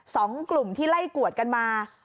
สองกลุ่มที่ไล่กวดกันมา